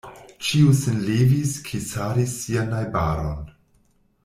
Ĉiu sin levis, kisadis sian najbaron.